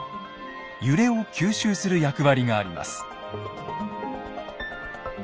揺れを吸収する役割があります。